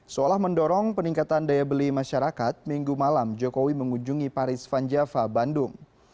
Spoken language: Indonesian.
seolah mendorong peningkatan daya beli masyarakat minggu malam jokowi mengunjungi paris van java bandung